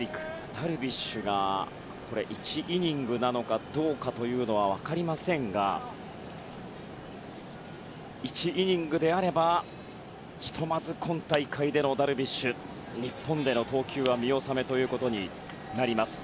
ダルビッシュが１イニングなのかどうかというのは分かりませんが１イニングであればひとまず今大会でのダルビッシュ日本での投球は見納めとなります。